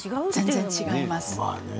全然違います。